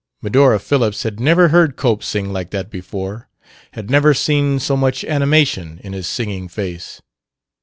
Medora Phillips had never heard Cope sing like that before; had never seen so much animation in his singing face.